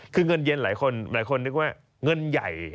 คือเงินเย็นหลายคนนึกว่าเงินใหญ่